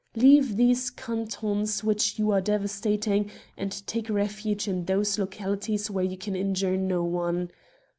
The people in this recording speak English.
Leave these cantons which you are devastating, and take refuge in those localities where you can injure no one.